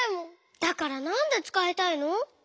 だからなんでつかいたいの？